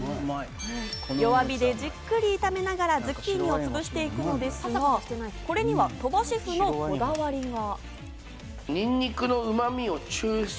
弱火でじっくり炒めながら、ズッキーニを潰していくのですが、これには鳥羽シェフのこだわりが。